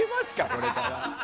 これから。